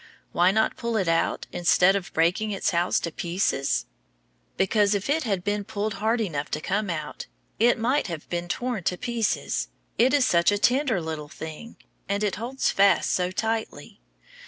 Why not pull it out, instead of breaking its house to pieces? Because if it had been pulled hard enough to come out, it might have been torn to pieces, it is such a tender little thing, and it holds fast so tightly.